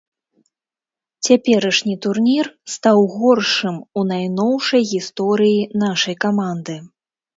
Цяперашні турнір стаў горшым у найноўшай гісторыі нашай каманды.